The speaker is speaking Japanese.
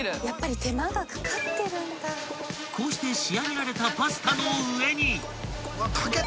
［こうして仕上げられたパスタの上に］